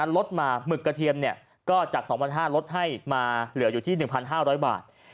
ลดมาหมึกกระเทียมก็จาก๒๕๐๐ลดให้มาเหลืออยู่ที่๑๕๐๐บาท